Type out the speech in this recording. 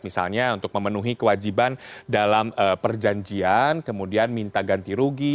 misalnya untuk memenuhi kewajiban dalam perjanjian kemudian minta ganti rugi